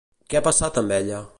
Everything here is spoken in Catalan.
Què ha passat amb ella?